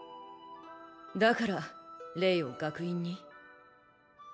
だからレイを学院に？